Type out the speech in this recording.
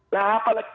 nah apa lagi